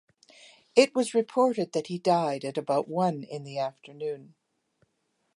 It was reported that he died at about one in the afternoon.